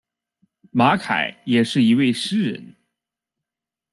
马凯也是一位诗人。